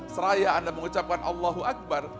seraya anda mengucapkan allahu akbar